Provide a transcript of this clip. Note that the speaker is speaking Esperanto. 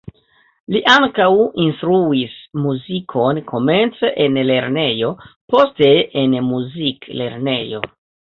Li ankaŭ instruis muzikon komence en lernejo, poste en muziklernejo.